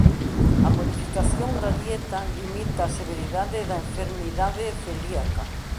A modificación da dieta limita a severidade da enfermidade celíaca.